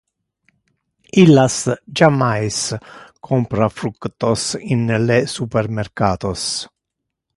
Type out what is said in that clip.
Illas jammais compra fructos in le supermercatos.